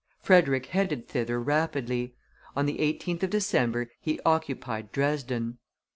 Frederick headed thither rapidly; on the 18th of December he occupied Dresden.